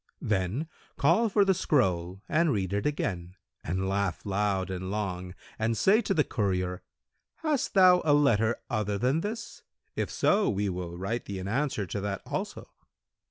Then call for the scroll and read it again and laugh loud and long and say to the courier, 'Hast thou a letter other than this? If so, we will write thee an answer to that also.'